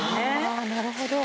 あなるほど。